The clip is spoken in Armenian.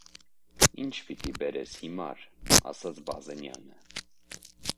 - Ի՞նչ պիտի բերես, հիմար,- ասաց Բազենյանը: